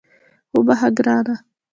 وبخښه ګرانه